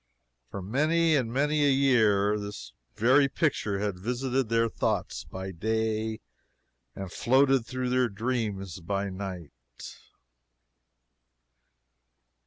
For many and many a year this very picture had visited their thoughts by day and floated through their dreams by night.